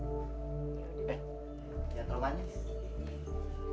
eh jangan terlalu manis